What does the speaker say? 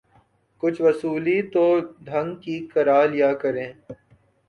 کچھ وصولی تو ڈھنگ کی کرا لیا کریں۔